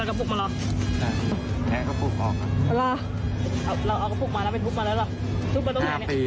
คุณผู้ชมครับแต่ว่าน้องคนนี้เก็บตังค์๕ปี